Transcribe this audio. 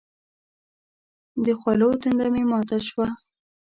د خولو تنده مې ماته شوه.